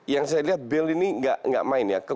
yang saya lihat bale ini tidak main ya